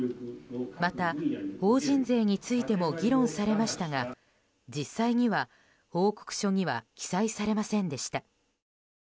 また、法人税についても議論されましたが実際には報告書には記載されませんでした。